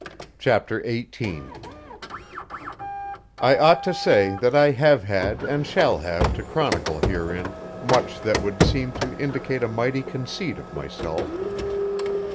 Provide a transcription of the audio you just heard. Chapter 18 I ought to say that I have had and shall have to chronicle herein much that would seem to indicate a mighty conceit of myself.